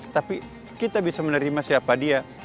tapi kita bisa menerima siapa dia